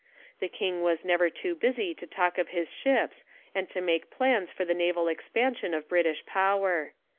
The king was never too busy to talk of his ships and to make plans for the naval expan sion of British power.